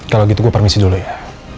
kalau gitu gue permisi dulu ya